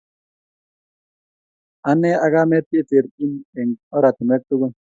Ane ak kamet keterchin eng oratinwek tugul